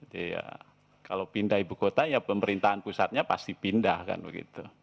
jadi ya kalau pindah ibu kota ya pemerintahan pusatnya pasti pindah kan begitu